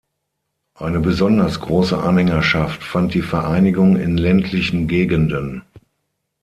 Eine besonders große Anhängerschaft fand die Vereinigung in ländlichen Gegenden.